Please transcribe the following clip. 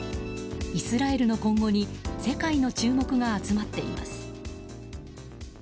イスラエルの今後に世界の注目が集まっています。